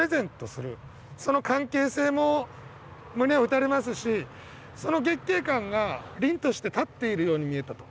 その関係性も胸を打たれますしその月桂冠が凛として立っているように見えたと。